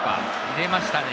入れましたね。